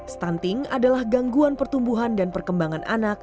stunting adalah gangguan pertumbuhan dan perkembangan anak